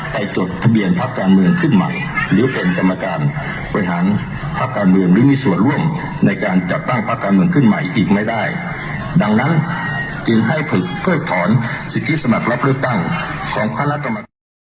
จดทะเบียนพักการเมืองขึ้นใหม่หรือเป็นกรรมการบริหารพักการเมืองหรือมีส่วนร่วมในการจัดตั้งพักการเมืองขึ้นใหม่อีกไม่ได้ดังนั้นจึงให้เพิกถอนสิทธิสมัครรับเลือกตั้งของคณะกรรมการ